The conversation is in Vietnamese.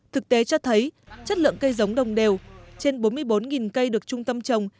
thực tế cho thấy chất lượng cây giống đồng đều trên bốn mươi bốn cây được trung tâm trồng